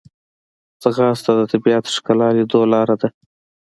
ځغاسته د طبیعت ښکلا لیدو لاره ده